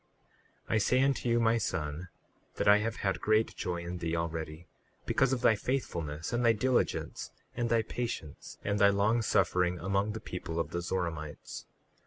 38:3 I say unto you, my son, that I have had great joy in thee already, because of thy faithfulness and thy diligence, and thy patience and thy long suffering among the people of the Zoramites.